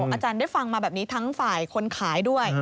อาจารย์ได้ฟังมาแบบนี้ทั้งฝ่ายคนขายด้วย